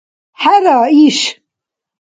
– ХӀера иш.